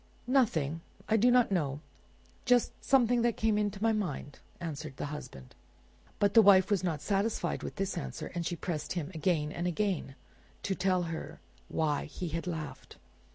"Nothing; I do not know; just something that came into my mind," answered the husband. But the wife was not satisfied with this answer, and she pressed him again and again to tell her why he had laughed.